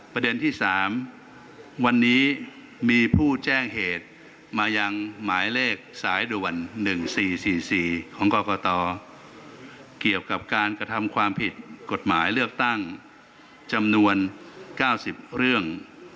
ประเด็นที่๓วันนี้มีผู้แจ้งเหตุมายังหมายเลขสายด่วน๑๔๔๔ของกรกตเกี่ยวกับการกระทำความผิดกฎหมายเลือกตั้งจำนวน๙๐เรื่อง